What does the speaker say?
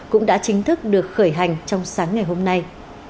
cũng đã chính thức được khởi hành trong sáng ngày hôm nay